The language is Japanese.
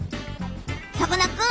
さかなクン